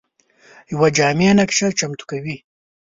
یوه جامع نقشه چمتو کوي.